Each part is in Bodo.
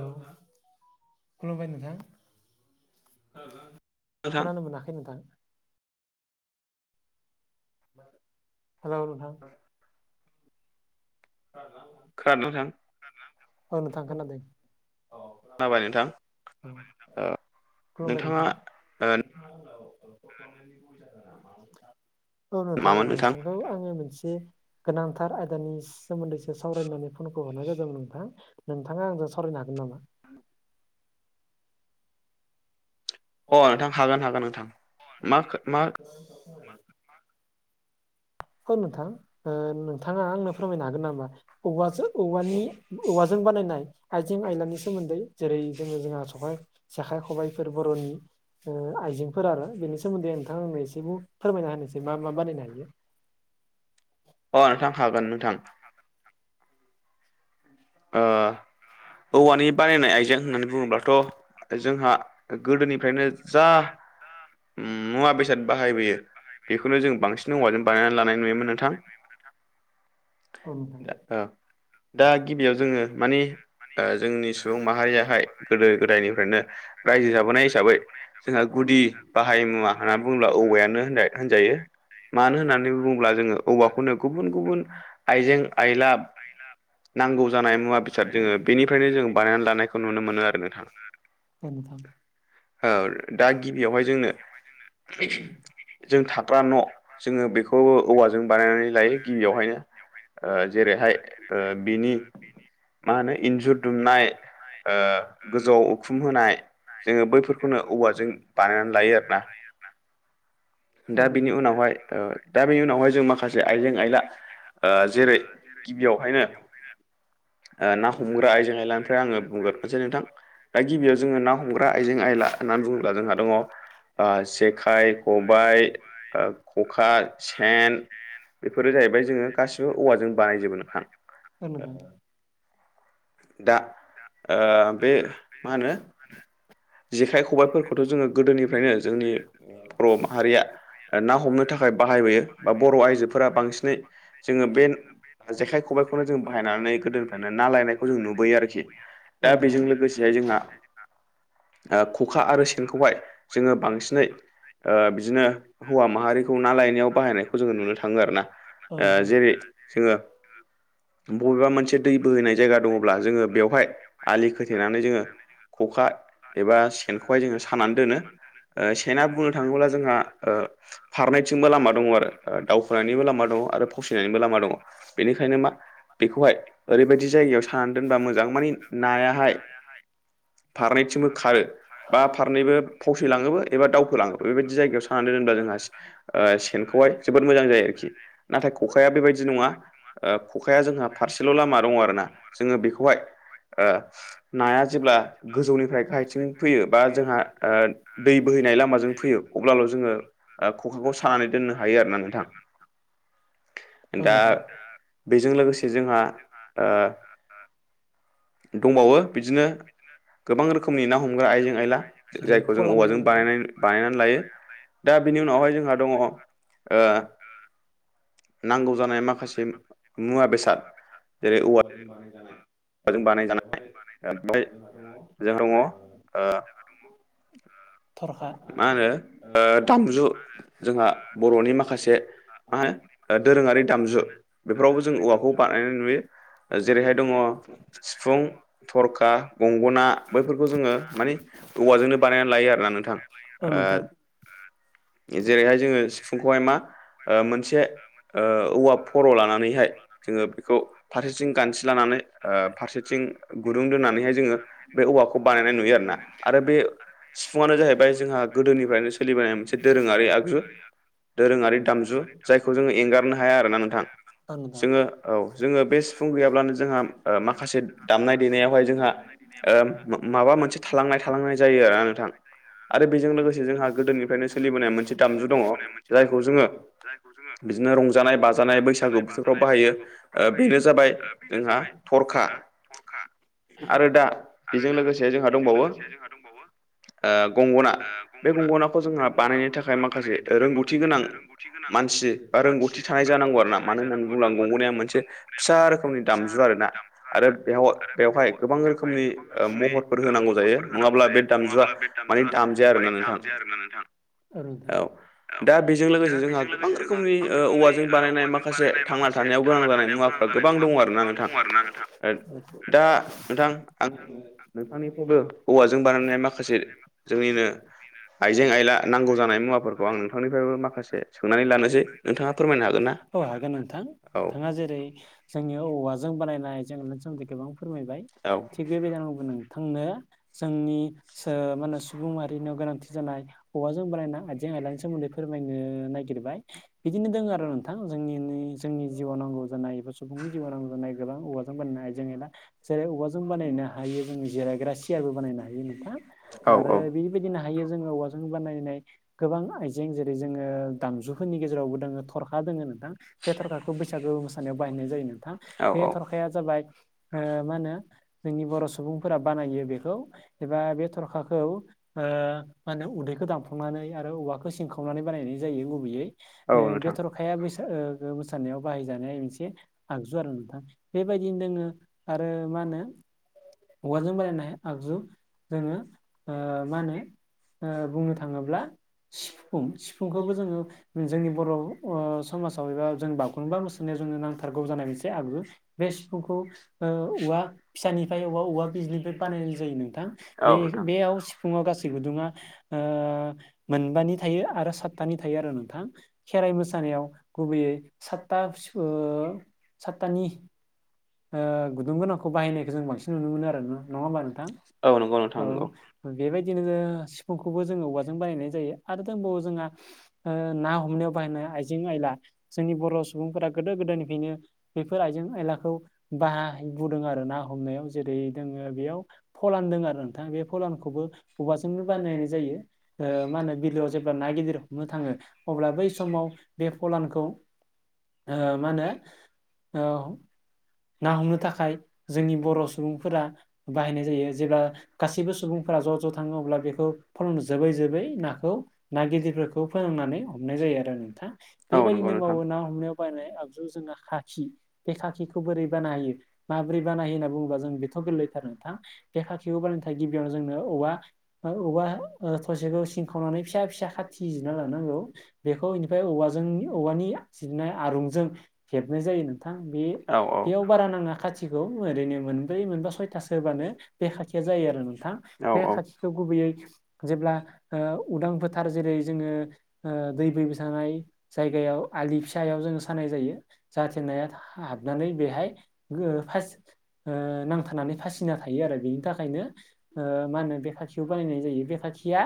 हेल खुलुमबाय नोंथां। नोंथां खोनानो मोनाखै नोंथां। हेल' नोंथां। खोनादोंना नोंथां औ नोंथां‌ खोनाबाय नोंथां खोनादों। खोनाबाय नोंथां। ओ नोंथाङा ओ औ नोंथां नोंथां बेखौ आङो मोनसे गोनांथार आयदानि सोमोन्दैसो सावरायनानै फनखौ हरनाय जादों नोंथां नोंथाङा आंजों सावरायनो हागोन नामा? अ' नोंथां हागोन हागोन नोंथां मा मा [unintelligible] औ नोंथां ओ नोंथाङा आंनो फोरमायनो हागोन नामा औवाजों औवानि औवाजों बानायनाय आइजें - आयलानि सोमोन्दै जेरै जोङो जोंहा सखाइ जेखाइ खबायाइफोर बर'नि ओ आइजेंफोर आरो बेनि सोमोन्दै नोंथां आंनो एसेखौ फोरमायना होनोसै मा मा बानायनो हायो। अ' नोंथां हागोन नोंथां। म [unintelligible] ओ औवानि बानायनाय आइजें होननानै बुङोब्लाथ 'ा जा [unintelligible] मुवा बेसाद बाहायबोयो बेखौनो जों बांसिन बसिनानै औवाजों लानाय बानायनानै नुनो नुयोमोन मोनो नोंथां थां [unintelligible] [unintelligible] दा गिबियाव जोङो नाययावनो माने ओ माने जोंनि सुबुं माहारियाहाय जोंयाव गोदो बाहायबाय गोदायनिफ्रायनो रायजो जाबोनाय गोदो हिसाबै जोंहा गोदाय गुदि बाहाय [unintelligible] मुवा होनना बुङोब्ला औवायानो जाबाब होन होनजायो [unintelligible] मानो होननानै बुङोब्ला जोङो औवाखौनो गुबुन- गुबुन आइजें आयजें - आइला आयला नांगौ जानाय मुवा बेसाद जोङो बेहाल बेनिफ्रायनो जोंङो जों बानायनानै बेनिफ्रायनो लानायखौ जोंङो मोनो आरो नुनो नोंथां मोनो आरो नोंथां। ओ दा गिबियावहाय जों थाग्रा न' जोङो जोङो बेखौ औवाजों बानायनानै लायो गिबियावहायनो जेरैहाय ओ बिनि द [unintelligible] मा होनो इन्जुर दुमनाय ओ गोजौआव उखुम होनाय जोङो बैफोरखौनो औवाजों बानायनानै लायो आरोना। इ दा बेनि उनावहाय ओ दा बेनि उनावहाय जों माखासे आइजें आइला ओ जेरै गिबियावहायनो [unintelligible] [unintelligible] ओ ना हमग्रा आइजें आयलानिफ्राय आङो बुंग्रोनोसै नोंथां। दा गिबियाव जोङो ना हमग्रा आइजें - आयला होननानै बुङोब्ला जोंहा दङ ओ जेखाइ, खबायाइ ओफ्राय ओ खखा, सेन बेफोरो जाहैबाय जोङो गासिबो औवाजों बानायजोबो नोंथां। औ नोंथां। द दा द ओ बे मा म होनो [unintelligible] जेखाइ जखाय खथाय खबाइफोरखौथ' गोदो जोङो बे गोदोनिफ्रायनो जोंनि बर' माहारिया ना मा हमनो होनो थाखाय बादा बाहायबोयो बा बर' आइजोफोरा बांसिनै जोङो बे जेखाइ खबाइखौनो जों बाहायनानै गोदोनिफ्रायनो ना [unintelligible] लायनायखौ जों नुबोयो आरोखि [unintelligible] दा औ बेजों लोगोसेहाय जोंहा नोंथां [unintelligible] खखा आरो सेनखौहाय जोङो बांसिनै बिदिनो हौवा माहारिखौ ना लायनायाव बाहायनायखौ जोङो नुनो थाङो आरोना [unintelligible] औ नोंथां जेरै जोङो बबेबा मोनसे दै बोहैनाय जों खोथेनानै जोङो [unintelligible] खखा एबा सेनखौहाय जोङो सानानै दोनो [unintelligible] ओ सेना बुंनो थाङोब्ला जोंहा ओ [unintelligible] फारनैथिंबो लामा दङ आरो दावखोनायनिबो लामा दङ आरो बिनिफ्राय फावसिनायनिबो लामा दङ बेनिखायनो मा बेखौहाय ओरैबायदि [unintelligible] जायगायाव सानानै दोनबा मोजां मानि नायाहाय फारनैथिंबो [unintelligible] खारो बा फारनैबो फावसैलाङोबो एबा दावखोलाङोबो बेबायदि जायगायाव सानानै दोनब्ला जोंहा [unintelligible] ओ सेनखौहाय जोबोद मोजां जायो आरोखि नाथाय खखाया बेबायदि नङा [unintelligible] ओ खखाया जोंहा फारसेल' लामा दं आरो ना। जोङो बेखौहाय ओ नाया जेब्ला गोजौनिफ्राय गाहाय थिं फैयो बा जोंहा ओ दै बोहैनाय लामाजों फैयो अब्लाल' जोङो खखाखौ सानानै दोननो हायो आरो ना नोंथां दा बेजों लोगोसे जोंहा ओ दंबावो बिदिनो गोबां रोखोम नि ना हमग्रा आइजें आइला जेरै जायखौ जों फलान दं औवाजों नोंथां बानायनाय बानायनानै लायो। दा बिनि उनावहाय जोंहा दङ ओ नांगौ जानाय माखासे मुवा बेसाद जेरै औवाजों बानाय जानाय औ औवाजों गिबियाव बानायजानाय हाय' बेवहाय जोंहा दङ ओ जोंहा दङ ओ जोंहा दङ ओ मा होनो ओ दामजु जोंहा बर'नि माखासे [unintelligible] ओ दोरोङारि दामजु बेफोरावबो जों औवाखौ बानायनाय नुयो। ओ जेरैहाय दङ सिफुं थरखा गंगोना बैफोरखौ जोङो मानि औवाजोंनो बानायनानै लायो आरोना नोंथां। अ ओ नोंथां जेरैहाय जोङो सिफुंखौहाय मा ओ मोनसे ओ औवा फर' लानानैहाय जोङो बेखौ फारसेथिं गानथि लानानै ओ फारसेथिं गुदुं दोननानैहाय जोङो बे [unintelligible] सिफुंआनो जाहैब बाय जोंहा गोदोनिफ्रायनो सोलिबोनाय मोनसे दोरोङारि आगजु दोरोङारि दामजु जायखौ जोङो एंगारनो हाया आरोना [unintelligible] नोंथां माखासे जोङो औ जोङो दामनाय बे सिफुं गैयाब्लानो देनाय जोंहा ओ माखासे आरो दामनाय देनायावहाय माखासे जोंहा ओ माबाफोर माबा मोनसे [unintelligible] थालांनाय थालांनाय [unintelligible] जायो आरोना नोंथां आरो आरो लोगोसे बेजों जोंहा गोदोनिफ्रायनो लोगोसे सोलिबोनाय मोनसे दामजु दङ जोंहा जायखौ जोङो गोदोनिफ्रायनो [unintelligible] बिदिनो रंजानाय बाजानाय बैसागु रंजानाय बोथोरफ्राव बाजानाय बाहायो बैसागु ओ बोथोरफ्राव बाहायो बेनो जाबाय बेनो जोंहा जाबाय थरखा जोंहा थरखा दा आरो बेजों दा लोगोसे जोंहा बेजों दंबावो लोगोसे जोंहा दंबावो ओ बे गंगोना गंगनाखौ बे जोंहा बानायनो गंगोनाखौ थाखाय जोंहा माखासे बानायनो थाखाय रोंगौथि माखासे गोनां रोंगौथि गोनां मानसि रोंगौथि थानाय जानांगौ आरो ना मानो होननानै बुङोब्ला गंगोनाया मोनसे फिसा रोखोमनि दामजु आरोना। आरो बेव-बेवहाय गोबां रोखोमनि ओ महरफोर होनांगौ जायो नङाब्ला बे दामजुआ माने दामजुआ दामजाया माने आरोना नोंथां दामजाया आरोना नोंथां। औ नोंथां दा बेजों दा लोगोसे जोंहा बेजों गोबां लोगोसे जोंहा रोखोमनि गोबां गोबां ओ रोखोमनि औवाजों बानायनाय औवाजों माखासे बानायनाय थांना माखासे थानायाव गोनां थांना जानाय थानायाव गोनां मुवाफ्रा जानाय गोबां दङ मुवाफ्रा आरोना गोबां दं नोंथां आरो ना नोंथां। दा [unintelligible] नोंथां आं नोंथांनिफ्रायबो औवाजों बानायनाय माखासे जोंनिनो [unintelligible] आइजें आयला नांगौ जानाय मुवाफोरखौ आं नोंथांनिफ्रायबो माखासे सोंनानै लानोसै। नोंथाङा फोरमायनो हागोन ना [unintelligible] औ नोंथां औ नोंथाङा जेरै जोंनि औवाजों बानायनाय जोंनो सोमोन्दै गोबां फोरमायबाय औ थिग बेबायदिनो आंबो नोंथांनो जोंनि सो मा होनो सुबुं माहारिनियाव गोनांथि जानाय औवाजों बानायना आइजें आइलानि सोमोन्दै फोरमायनो नागिरबाय। बिदिनो दोङो आरो नोंथां जोंनि जोंनि जिउआव नांगौ जानाय बु सुबुंनि जिउआव नांनाय जानाय गोबां औवाजों बोननाय आइजें आयला जेरै औवाजों बानायनो हायो जों जिरायग्रा सियारबो बानायनो हायो नोंथां औ आरो बि बिदिनो हायो जोङो औवाजों बानायनाय गोबां आइजें जेरै जोङो दामजुफोरनि गेजेरावबो थरखा दोङो नोंथां। बे थरखाखौ बैसागु मोसानायाव बाहायनाय जायो नोंथां। औ बे थरखा खाया जाबाय ओ मा होनो जोंनि बर' सुबुंफोरा बानायो बेखौ एबा बे थरखाखौ ओ मा होनो उदैखौ दानफ्लंनानै आरो औवाखौ सिंखावनानै बानायनाय जायो गुबैयै। औ ओ बे नोंथां थर खाया बैसागो ओ मोसानायाव बाहायजानाय मोनसे आगजु आरो नोंथां। बेबायदिनो दोङो आरो मा होनो औवाजों बानायनाय आगजु जोङो मा होनो ओ बुंनो थाङोब्ला सिफुं सिफुंखौबो जोङो जोंनि बर' ओ समाजाव एबा जों बागुरुम्बा मोसानायाव जोंनो नांथारगौ जानाय मोनसे आगजु। बे सिफुंखौ ओ औवा फिसानिफ्राय औवा औवा बिजलिफ्राय बानायनाय जायो नोंथां। औ बे नोंथां बेयाव सिफुङाव गासै गुदुङा ओ मोनबानि थायो आरो सातथानि थायो आरो नोंथां। खेराइ मोसानायाव गुबैयै सातथा सिफु ओ सातथानि ओ गुदुं गोनांखौ बाहायनायखौ जों बांसिन नुनो मोनो आरो न नङा होमबा नोंथां? औ नंगौ नोंथां औ। नंगौ बेबायदिनो सिफुंखौबो जोङो औवाजों बानायनाय जायो आरो दंबावो जोंहा ओ ना हम नायाव बाहायनाय आइजें आयला जोंनि बर' सुबुंफोरा गोदो गोदायनिफ्रायनो बेफोर आइजें आयलाखौ बाहाय बुदों आरो ना हमनायाव जेरै दोङो बेयाव फलान दोङो आरो नोंथाङा। बे फलानखौबो औवाजोंनो बानायनाय जायो। ओ मा होनो बिलोआव जेब्ला ना गिदिर [unintelligible] नो थाङो अब्ला बै समाव बे फलानखौ ओ मा होनो ओ ना हमनो थाखाय जोंनि बर' सुबुंफोरा बाहायनाय जा यो जेब्ला गासिबो सुबुंफोरा ज' ज' थाङो अब्ला बेखौ फल'जों जोबै जोबै नाखौ ना गिदिरफोरखौ फोनांनानै हमनाय जायो आरो नोंथां। औ नंगौ बेबायदिनो नोंथां मावो ना खांनायाव बायनाय आगजु जोंना खाखि बे खाखिखौ बोरै बानायो होयो माबोरै बानाय होनना बुङोबा जों बेथ' गोरलैथार नोंथां। बे खाखिखौ बानायनो थाखाय गिबियावनो जोंनो औवा ओ औवा ओ थसेखौ सिंखावनानै फिसा फिसा खाथि थि जिरना लानांगौ। बेखौ इनिफ्राय औवाजों औवानि जिरनाय आरुंजों हेबनाय जायो नोंथां। बे औ बेयाव बारा नाङा खाथिखौ ओरैनो मोनब्रै, मोनबा, सयथासो होबानो बे खाखिया जायो आरो नोंथां। औ बे औ खाथिखौ गुबैयै जेब्ला ओ उदां फोथार जेरै जोङो ओ दै बोहैबाय थानाय जायगायाव आलि फिसायाव जोङो सानाय जायो। जाहाथे नाया हा-हाबनानै बेहाय गो फास ओ नांथानानै फासि सिना थायो आरो। बेनि थाखायनो ओ मा होनो बे खाखिखौ बानायनाय जायो। बे खाखिया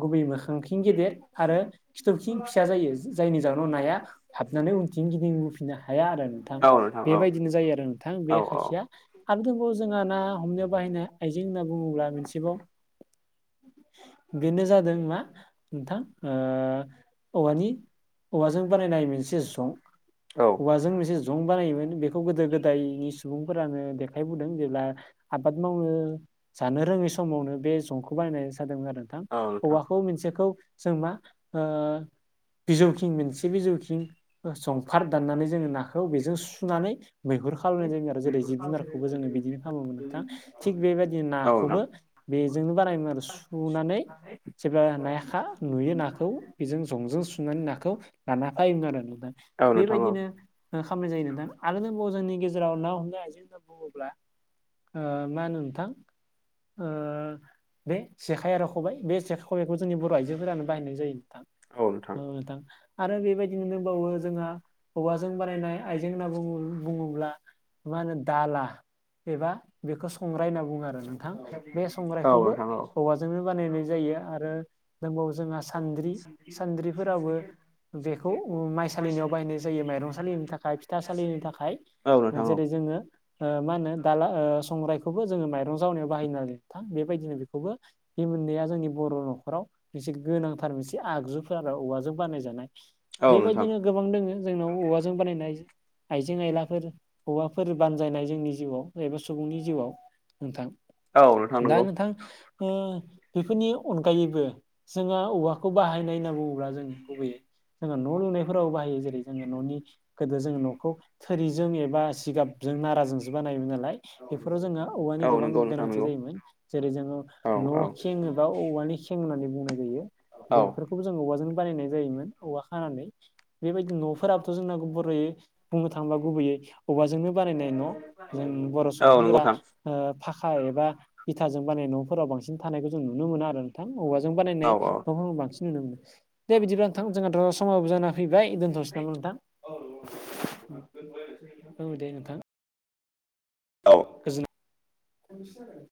गुबै मोखांथिं गेदेर आरो खिथौथिं फिसा जायो। जायनि जाहोनाव नाया हाबनानै उनथिं गिदिं बोफि ननो हाया आरो नोंथां। औ बेबायदिनो जायो आरो नोंथां बे खाखिया आरो दंबावो जोंहा ना हमनायाव बाहायनाय आइजें होनना बुङोब्ला मोनसेबाव बेनो जादों मा नोंथां? ओ औवानि औवाजों बानायनाय मोनसे जं। औवाजों मोनसे जं बानायोमोन बेखौ गोदो गोदायनि सुबुंफोरानो देखायबुदों जेब्ला आबाद मावनो जानो रोङै समावनो बे जंखौ बायनाय जादोंमोन आरो नोंथां औवाखौ मोनसेखौ जों मा ओ बिजौखिं मोनसे बिजौखिं संफार दाननानै जोङो नाखौ बेजों सुनानै मैहुर खालामायनाय जायो आरो जेरै जिब जुनारखौबो जोङो बिदिनो खालामोमोन नोंथां थिग बेबायदिनो औ नोंथां औ नोंथां औ नाखौबो बेजोंनो बानायोमोन आरो सुनानै जेब्ला नायाखा नुयो नाखौ जों जंजों सुनानै नाखौ लाना फायोमोन आरो नोंथां नोंथां औ नोंथां औ नोंथां औ बेबायदिनो ओ खालामनाय जायो नोंथां आरो दंबावो जोंनि गेजेराव ना हमनाय आइजें बुङोब्ला ओ माहोनो नोंथां ओ बे जेखाइ आरो खबाइ बे जेखाइ खबाइखौ जोंनि बर' आइजोफोरानो बाहायनाय जायो नोंथां औ नोंथां आरो बेबायदिनो दंबावो जोंहा हौवाजों बानायनाय आइजें होनना बु बुङोब्ला मा होनो दाला एबा बेखौ संग्राय होनना बुङो बुङो आरो नोंथां बे संग्रायखौबो औवाजोंनो बानायनाय जायो आरो दंबावो जोंहा सान्द्रि सान्द्रिफोरावबो बेखौ ओ माइ सलिनायाव बाहायनाय जायो माइरं सालिनि थाखाय फिथा सालिनो थाखाय जेरै जोङो ओ मा होनो दाला ओ संग्रायखौबो जोङो माइरं जावनायाव बाहायना नोंथां बेबायदिनो बेखौबो बे मोननैया जोंनि बर' न'खराव मोनसे गोनांथार मोनसे बे आगजुफोरा औवाजों बानाय जानाय नोंथां बेबायदिनो गोबां दोङो जोंनाव औवाजों बानायनाय आइ आइजें आइलाफोर। औवाफोर बानजायनाय जोंनि जिउआव एबा सुबुंनि जिउआव नोंथां। औ दा नोंथां ओ बेफोरनि अनगायैबो जोंहा औवा बाहायनाय होनना बुङोब्ला जोङो गुबैयै जोङो न' लुनायफोराव बाहायो जेरै जोङो न'नि गोदो जोङो न'खौ थोरिजों एबा जिगाबजों नाराजोंसो बानायोमोन नालाय बेफोराव जोङो औवानि औ गोबां नंगौ नोंथां गोनांथि नंगौ जायोमोन, जेरै जोङो औ औ न' खेङोबा औवानि खें होननानै बुंनाय जायो औ बेफोरखौबो जों औवाजों बानायनाय जायोमोन औवा खानानै। बेबायदि न'फोराबोथ' जोंना बर'यै बुंनो थाङोबा गुबैयै अबाजोंनो बानायनाय न'। जों बर' औ नंगौ सुबुंफोरा नोंथां ओ फाखा एबा इथाजों बानायनाय न'फोराव बांसिन थानायखौ जों नुनो मोनो आरो थां औवाजों औ बानायनाय नफोरखौ बांसिन नुनो मोनो, दे बिदिब्लानोंथां जोंनाथ' समाबो जाना हैबाय दोनथ'सै नामा नोंथां औ औ जोब्बायदे औ दे नोंथां। औ। गोजोननाय